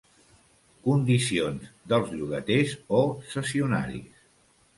Condicions dels llogaters o cessionaris.